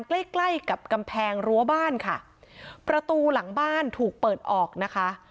ใกล้ใกล้กับกำแพงรั้วบ้านค่ะประตูหลังบ้านถูกเปิดออกนะคะ